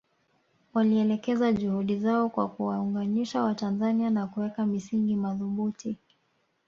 Walielekeza juhudi zao kwa kuwaunganisha Watanzania na kuweka misingi madhubuti